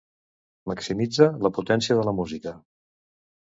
Maximitza la potència de la música.